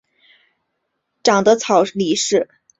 长的草里是不去的，因为相传这园里有一条很大的赤练蛇